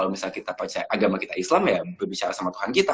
kalau misalnya kita baca agama kita islam ya berbicara sama tuhan kita